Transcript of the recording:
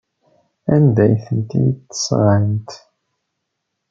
Anda ay ten-id-sɣant?